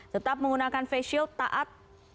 tetap menggunakan face shield taat